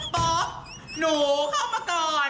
ป๊อกหนูเข้ามาก่อน